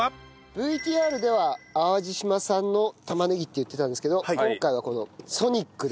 ＶＴＲでは淡路島産の玉ねぎって言ってたんですけど今回はこのソニックで。